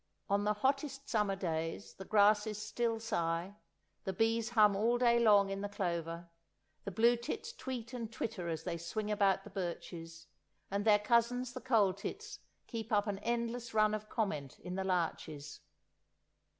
On the hottest summer days the grasses still sigh; the bees hum all day long in the clover; the blue tits tweet and twitter as they swing about the birches, and their cousins the coal tits keep up an endless run of comment in the larches.